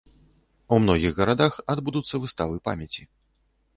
У многіх гарадах адбудуцца выставы памяці.